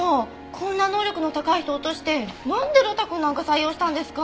こんな能力の高い人落としてなんで呂太くんなんか採用したんですか！